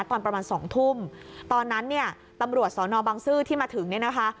ตอนประมาณสองทุ่มตอนนั้นเนี่ยตำรวจสอนอบังซื้อที่มาถึงเนี่ยนะคะ